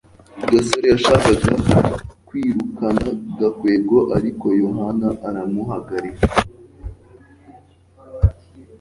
gasore yashakaga kwirukana gakwego, ariko yohana aramuhagarika